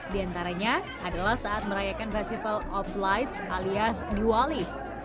di antaranya adalah saat merayakan festival of lights alias diwali